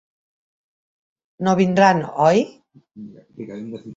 No vindran, oi?